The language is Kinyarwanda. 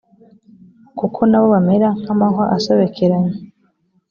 kuko na bo bamera nk amahwa asobekeranye